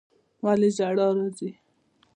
ولي ژړا راځي